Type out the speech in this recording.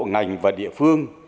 nành và địa phương